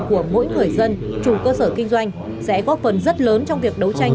của mỗi người dân chủ cơ sở kinh doanh sẽ góp phần rất lớn trong việc đấu tranh